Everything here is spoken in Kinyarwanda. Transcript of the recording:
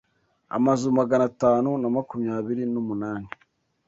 amazu Magana atanu namakumyabiri n’ umunani